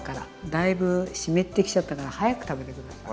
だいぶ湿ってきちゃったから早く食べて下さい。